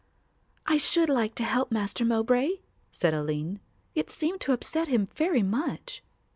"I should like to help Master Mowbray," said Aline. "It seemed to upset him very much."